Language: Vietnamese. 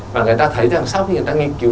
và người ta thấy rằng sau khi người ta nghiên cứu